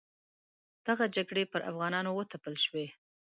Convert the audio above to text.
دغه جګړې پر افغانانو وتپل شوې.